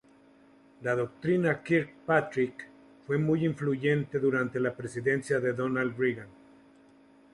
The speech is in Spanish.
La Doctrina Kirkpatrick fue muy influyente durante la presidencia de Ronald Reagan.